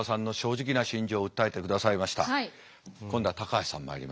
今度は高橋さんまいりましょう。